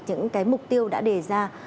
những cái mục tiêu đã đề ra